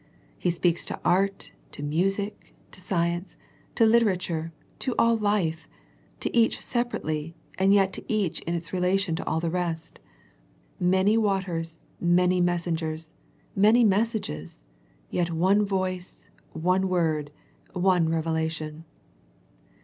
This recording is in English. He speaks to art, to music, to science, to literature, to all life, to each separately, and yet to each in its relation to all the rest. Many 26 A First Century Message waters, many messengers, many messages, yet one voice, one word, one revelation.